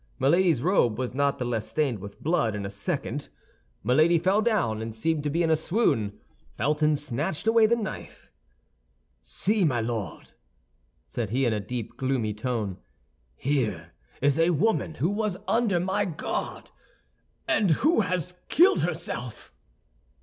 Milady's robe was not the less stained with blood in a second. Milady fell down, and seemed to be in a swoon. Felton snatched away the knife. "See, my Lord," said he, in a deep, gloomy tone, "here is a woman who was under my guard, and who has killed herself!"